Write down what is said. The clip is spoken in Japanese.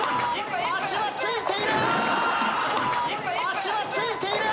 足はついている！